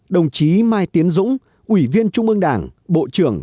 đồng chí mai tiến dũng